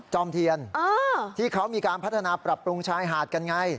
จอมเทียนที่เขามีการพัฒนาปรับปรุงชายหาดกันไง